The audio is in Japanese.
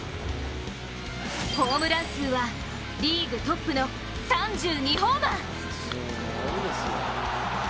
ホームラン数はリーグトップの３２ホーマー。